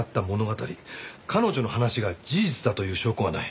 彼女の話が事実だという証拠はない。